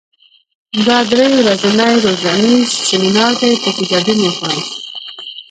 دا درې ورځنی روزنیز سیمینار دی، په کې ګډون وکړه.